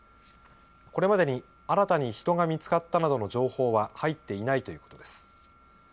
これまでに新たに人が見つかったなどの情報は入っていないということです。